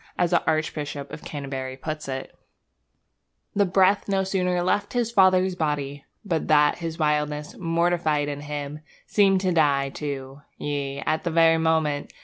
As the Archbishop of Canterbury puts it: The breath no sooner left his father's body But that his wildness, mortified in him, Seemed to die, too. Yea, at that very moment.